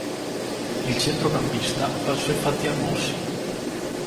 Il centrocampista passò infatti al Moss.